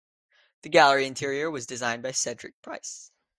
The gallery interior was designed by Cedric Price.